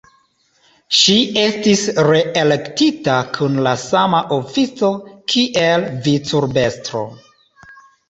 Ŝi estis reelektita kun la sama ofico kiel vicurbestro.